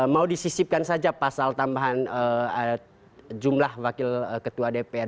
mau disisipkan saja pasal tambahan jumlah wakil ketua dpr